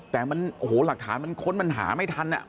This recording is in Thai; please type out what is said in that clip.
แต่มันโอ้โหหลักฐานมันค้นมันหาไม่ทัน